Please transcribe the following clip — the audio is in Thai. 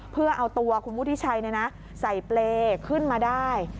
เพื่อเอาตัวคุณผู้ที่ใช้ใส่เปรย์ขึ้นมาได้